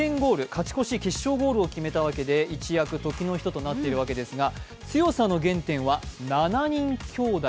勝ち越しゴールを決めたということで一躍、時の人となっているわけですが、強さの原点は７人兄弟。